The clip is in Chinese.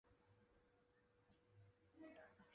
线叶书带蕨为书带蕨科书带蕨属下的一个种。